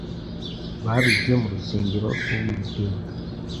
Babibye mu rusengero rw'Uwiteka